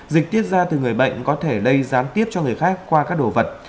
dịch tiết ra từ người bệnh có thể gây gián tiếp cho người khác qua các đồ vật